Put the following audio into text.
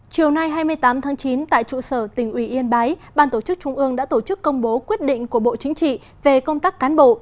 chiều nay hai mươi tám tháng chín tại trụ sở tỉnh ủy yên bái ban tổ chức trung ương đã tổ chức công bố quyết định của bộ chính trị về công tác cán bộ